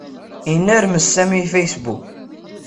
Yennermes Sami Facebook.